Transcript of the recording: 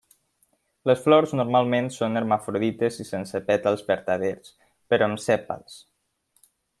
Les flors normalment són hermafrodites i sense pètals vertaders, però amb sèpals.